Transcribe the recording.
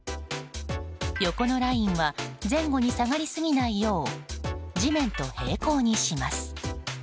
横のラインは前後に下がり過ぎないよう地面と平行にします。